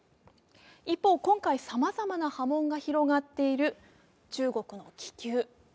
一方、今回さまざまな波紋が広がっている中国の気球。